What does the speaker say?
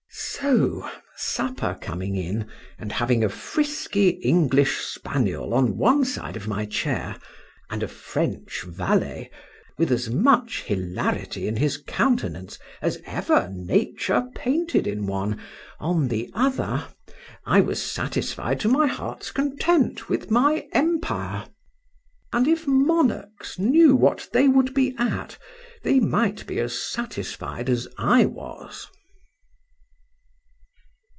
—So, supper coming in, and having a frisky English spaniel on one side of my chair, and a French valet, with as much hilarity in his countenance as ever Nature painted in one, on the other,—I was satisfied to my heart's content with my empire; and if monarchs knew what they would be at, they might be as satisfied as I was.